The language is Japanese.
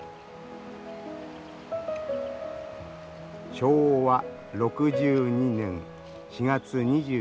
昭和６２年４月２９日。